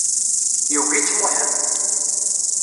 Yugi-tt Muḥend.